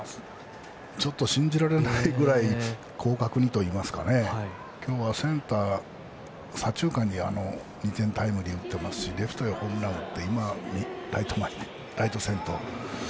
ちょっと信じられないぐらい広角にといいますか今日はセンター、左中間にタイムリーを打っていますしレフトへホームランを打ってライト線と。